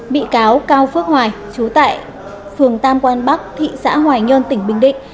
bị cáo cao phước hoài chú tại phường tam quan bắc thị xã hoài nhơn tỉnh bình định